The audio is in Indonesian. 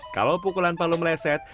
kalau pukulan palu meleset